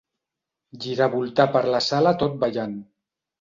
Giravoltar per la sala tot ballant.